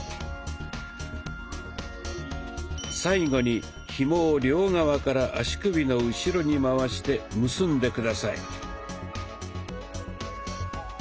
最後にひもを両側から足首の後ろに回して結んで下さい。